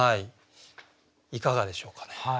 いかがでしょうかね。